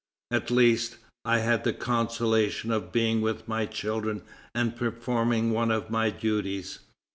At least, I had the consolation of being with my children and performing one of my duties."